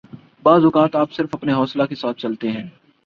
بعض اوقات آپ صرف اپنے حوصلہ کے ساتھ چلتے ہیں